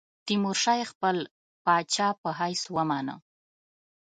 تیمورشاه یې خپل پاچا په حیث ومانه.